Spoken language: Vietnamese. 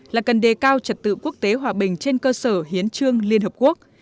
là cần đề cao trật tự quốc tế hòa bình trên cơ sở hiến trương liên hợp quốc